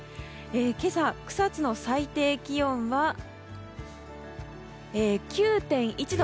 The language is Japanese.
今朝、草津の最低気温は９．１度。